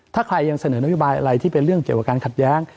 ถ้าใครยังเสนอนโยบายอะไรที่เป็นเรื่องเกี่ยวกับการขัดแย้ง